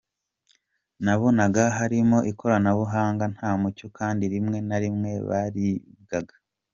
Nabonaga hatarimo ikoranabuhanga, nta mucyo kandi rimwe na rimwe baribwaga ».